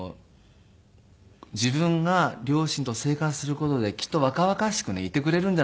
自分が両親と生活する事できっと若々しくねいてくれるんじゃないかと。